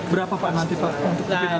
berapa pak nanti pak untuk final di kudus